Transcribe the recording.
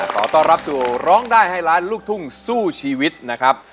ขอต้อนรับสู่ร้องได้ให้ล้านลูกทุ่งสู้ชีวิตนะครับ